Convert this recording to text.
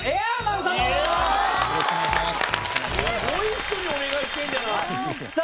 よろしくお願いします。